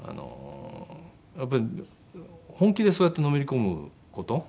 やっぱり本気でそうやってのめり込む事？